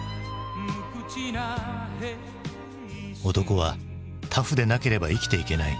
「男はタフでなければ生きていけない」。